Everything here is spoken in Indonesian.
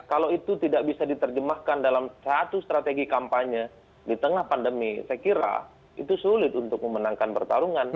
kalau itu tidak bisa diterjemahkan dalam satu strategi kampanye di tengah pandemi saya kira itu sulit untuk memenangkan pertarungan